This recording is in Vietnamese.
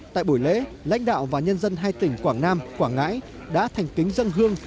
tại buổi lễ lãnh đạo và nhân dân hai tỉnh quảng nam quảng ngãi đã thành kính dân hương